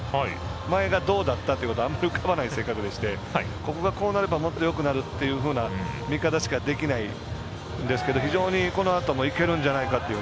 前がどうだったということはあまり浮かばない性格でしてここがこうなればよくなるという見方しかできないんですけど非常にこのあともできるんじゃないかなと。